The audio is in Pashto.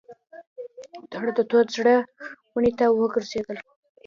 دواړه د توت زړې ونې ته ور وګرځېدل.